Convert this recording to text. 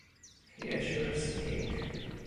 Creatures Inc.